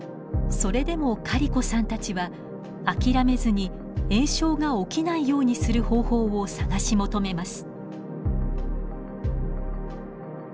それでもカリコさんたちは諦めずに炎症が起きないようにする方法を探し求めます。